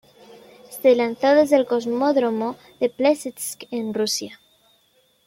Se lanzó desde el cosmódromo de Plesetsk en Rusia.